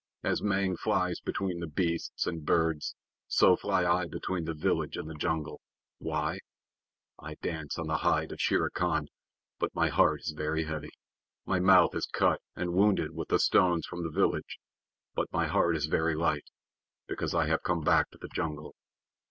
As Mang flies between the beasts and birds, so fly I between the village and the jungle. Why? I dance on the hide of Shere Khan, but my heart is very heavy. My mouth is cut and wounded with the stones from the village, but my heart is very light, because I have come back to the jungle.